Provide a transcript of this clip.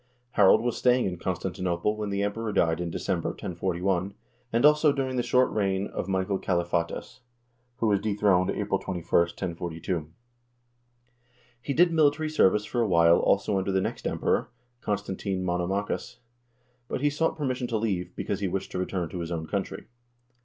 Harald was staying in Constantinople when the Emperor died in December, 1041, and also during the short reign of Michael Kalifates, who was dethroned April 21, 1042. He did military service for a while also under the next Emperor, Konstantin Monomachos, but he sought permission to leave, " because he wished to return to his own country."